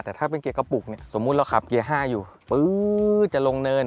แต่ถ้าเป็นเกียร์กระปุกเนี่ยสมมุติเราขับเกียร์๕อยู่ปื๊ดจะลงเนิน